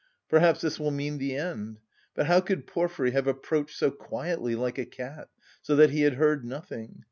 "Perhaps this will mean the end? But how could Porfiry have approached so quietly, like a cat, so that he had heard nothing?